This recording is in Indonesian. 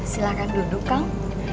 silahkan duduk kang